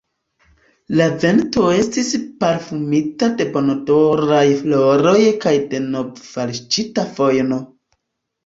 La vento estis parfumita de bonodoraj floroj kaj de novefalĉita fojno.